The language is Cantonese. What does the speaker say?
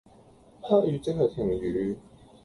黑雨即係停雨